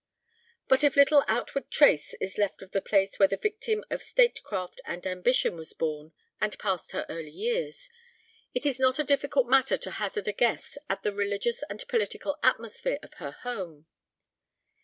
But if little outward trace is left of the place where the victim of state craft and ambition was born and passed her early years, it is not a difficult matter to hazard a guess at the religious and political atmosphere of her home.